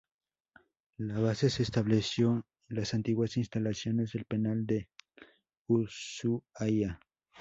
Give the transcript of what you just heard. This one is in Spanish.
La base se estableció en las antiguas instalaciones del penal de Ushuaia.